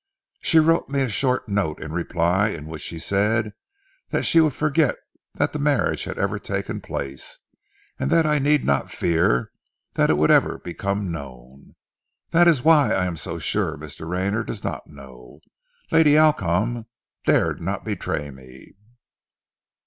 She wrote me a short note in reply, in which she said, that she would forget that the marriage had even taken place, and that I need not fear that it would ever become known. That is why I am so sure Mr. Rayner does not know. Lady Alcombe dare not betray me."